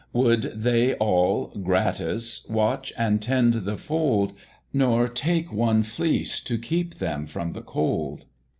Would they all, gratis, watch and tend the fold, Nor take one fleece to keep them from the cold?